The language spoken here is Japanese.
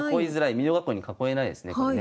美濃囲いに囲えないですねこれね。